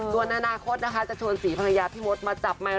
ส่วนอนาคตนะคะจะชวนศรีภรรยาพี่มดมาจับไมค